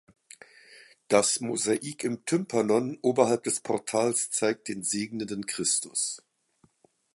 Das Mosaik im Tympanon oberhalb des Portals zeigt den segnenden Christus.